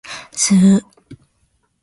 スー